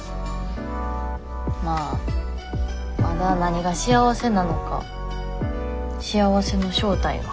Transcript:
まあまだ何が幸せなのか幸せの正体が。